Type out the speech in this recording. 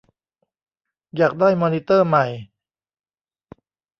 อยากได้มอนิเตอร์ใหม่